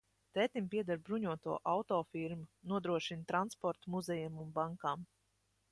Tētim pieder bruņoto auto firma, nodrošina transportu muzejiem un bankām.